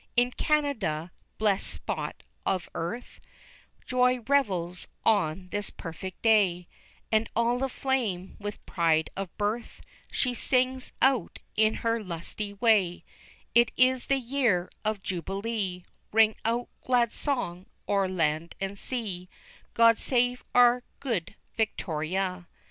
In Canada blest spot of earth Joy revels on this perfect day, And all aflame with pride of birth, She sings out in her lusty way; _It is the YEAR of JUBILEE; Ring out glad song o'er land and sea; God save our Good Victoria!